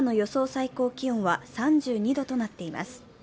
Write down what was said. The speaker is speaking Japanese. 最高気温は３２度となっています。